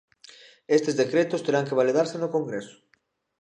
Estes decretos terán que validarse no Congreso.